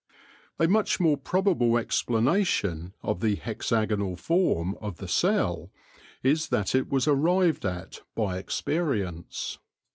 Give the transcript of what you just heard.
A much more probable explanation of the hexagonal form of the cell is that it was arrived at by experience.